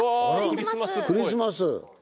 クリスマス。